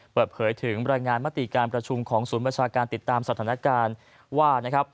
เผยถึงบรรยายงานมาตรีการประชุมของศูนย์วัชการติดตามสถานการณ์ว่า